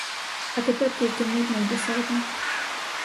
А тепер тільки нудно й досадно.